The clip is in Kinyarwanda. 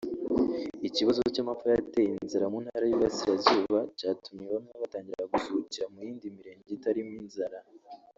Ikibazo cy’amapfa yateye inzara mu Ntara y’urasirazuba cyatumye bamwe batangira gusuhukira mu yindi Mirenge itarimo inzara